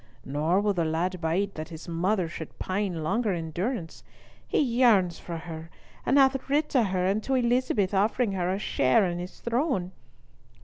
Nor will the lad bide that his mother should pine longer in durance. He yearns for her, and hath writ to her and to Elizabeth offering her a share in his throne.